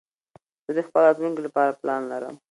زه د خپل راتلونکي لپاره پلان لرم.